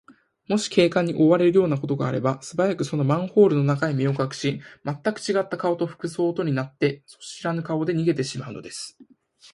もし警官に追われるようなことがあれば、すばやく、そのマンホールの中へ身をかくし、まったくちがった顔と服装とになって、そしらぬ顔で逃げてしまうのです。